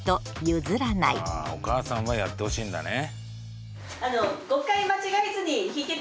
お母さんはやってほしいんだね。